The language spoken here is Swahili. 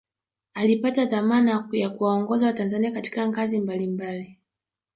alipata dhamana ya kuwaongoza watanzania katika ngazi mbali mbali